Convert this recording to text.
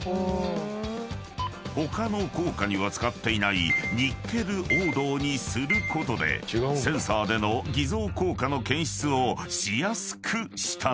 ［他の硬貨には使っていないニッケル黄銅にすることでセンサーでの偽造硬貨の検出をしやすくしたのだ］